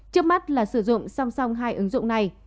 trước mắt là sử dụng song song hai ứng dụng này